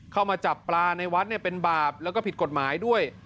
เข้ามาจับปลาในวัดเป็นบาปแล้วก็ผิดกฎหมายด้วย